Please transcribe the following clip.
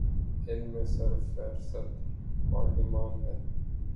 ان میں سر فہرست پارلیمان ہے۔